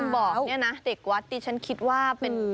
ก็ต้องการว่าเป็นเด็กวัดที่จะอยู่ในวัดในแรกที่คุณบอกเนี่ยนะ